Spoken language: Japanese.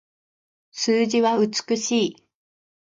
数字は美しい